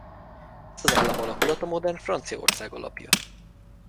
Ez az államalakulat a modern Franciaország alapja.